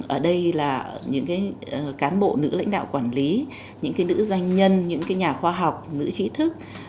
ở đây là những cán bộ nữ lãnh đạo quản lý những nữ doanh nhân những nhà khoa học nữ trí thức